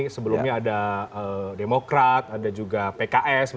sebelumnya ada demokrat ada juga pks